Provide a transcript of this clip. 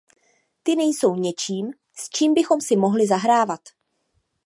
Ty nejsou něčím, s čím bychom si mohli zahrávat.